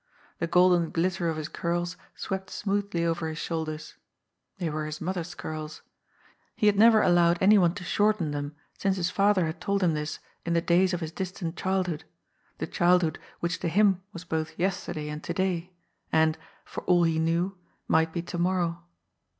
The golden glitter of his curls swept smoothly over his shoulders. They were his mother's curls. He had never allowed any one to shorten them since his father had told him this in the days of his distant childhood, the childhood which to him was both yesterday and to day, and, for all he knew, might be to morrow.